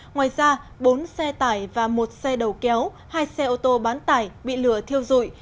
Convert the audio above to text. ngoài ra bốn xe tải và một xe đầu kéo hai xe ô tô bán tải bị lửa thiêu dụi